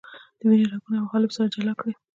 د وینې رګونه او حالب سره جلا کړئ.